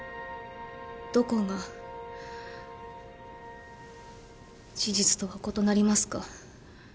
どこが事実とは異なりますか？